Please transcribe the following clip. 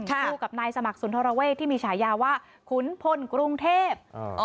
คู่กับนายสมัครสุนทรเวศที่มีฉายาว่าขุนพลกรุงเทพ